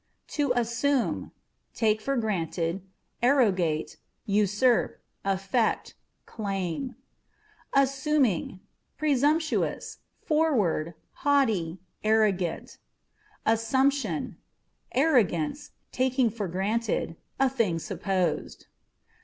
To Assume â€" take for granted, arrogate, usurp, affect ; claim. Assuming â€" presumptuous, forward, haughty, arrogant. Assumption â€" arrogance ; taking for granted ; a thing supposed.